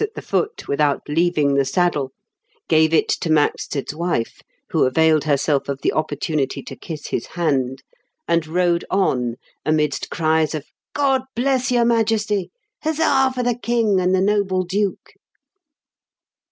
at the foot with out leaving the saddle, gave it to Maxted's wife, who availed herself of the opportunity to kiss his hand, and rode on amidst cries of " God bless your Majesty ! Huzza for the King and the noble Duke